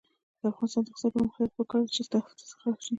د افغانستان د اقتصادي پرمختګ لپاره پکار ده چې نفت استخراج شي.